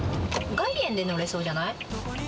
外苑で乗れそうじゃない？